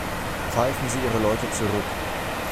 Pfeifen Sie Ihre Leute zurück.